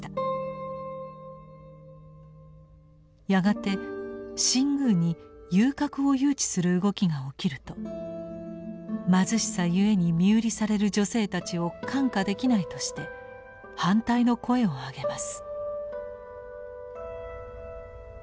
やがて新宮に遊郭を誘致する動きが起きると貧しさゆえに身売りされる女性たちを看過できないとして反対の声をあげます。